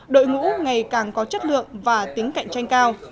đội ngũ ngày càng có chất lượng và tính cạnh tranh cao